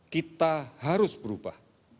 kita harus berubah